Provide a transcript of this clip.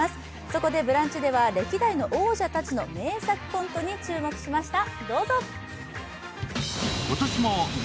そこで「ブランチ」では歴代の王者たちの名作コントに注目しました。